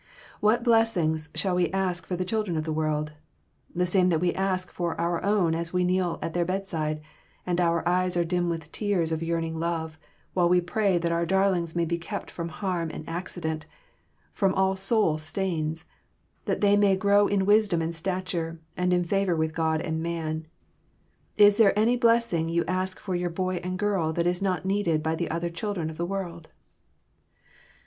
What blessings shall we ask for the children of the world? The same that we ask for our own as we kneel at their bedside, and our eyes are dim with tears of yearning love, while we pray that our darlings may be kept from harm and accident, from all soul stains, that they may "grow in wisdom and stature and in favor with God and man." Is there any blessing you ask for your boy and girl that is not needed by the other children of the world?